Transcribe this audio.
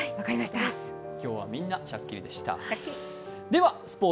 今日はみんなシャッキリでした。